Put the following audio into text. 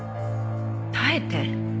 耐えて？